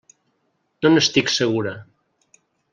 No n'estic segura.